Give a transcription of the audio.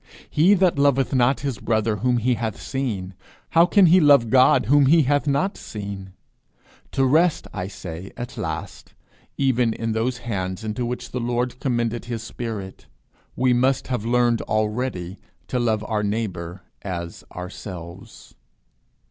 He that loveth not his brother whom he hath seen, how can he love God whom he hath not seen? To rest, I say, at last, even in those hands into which the Lord commended his spirit, we must have learned already to love our neighbour as ourselves.